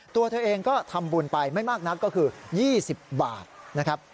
ตัวเธอเองก็ทำบุญไปไม่มากนักก็คือ๒๐บาทนะครับ